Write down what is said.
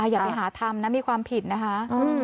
อย่าไปหาทำนะมีความผิดนะคะ